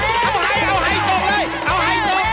เอาให้ตกเลย